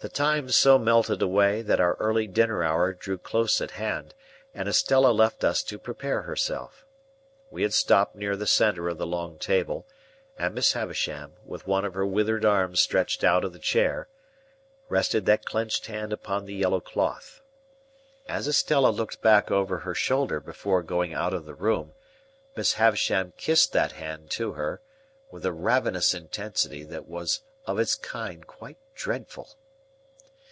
The time so melted away, that our early dinner hour drew close at hand, and Estella left us to prepare herself. We had stopped near the centre of the long table, and Miss Havisham, with one of her withered arms stretched out of the chair, rested that clenched hand upon the yellow cloth. As Estella looked back over her shoulder before going out at the door, Miss Havisham kissed that hand to her, with a ravenous intensity that was of its kind quite dreadful.